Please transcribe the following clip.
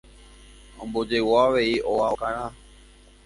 Ombojegua avei óga okára.